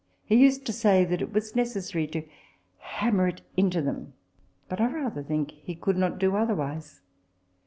He used to say that it was necessary to hammer it into them ; but I rather think he could not do otherwise.